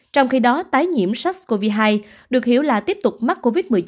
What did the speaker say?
trong khi đó tái nhiễm sars cov hai được hiểu là tiếp tục mắc covid một mươi chín